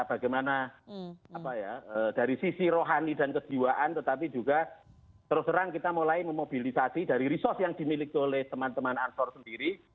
bagaimana dari sisi rohani dan kejiwaan tetapi juga terus terang kita mulai memobilisasi dari resource yang dimiliki oleh teman teman ansor sendiri